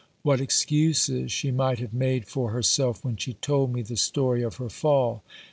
What excuses she might have made for herself when she told me the story of her fall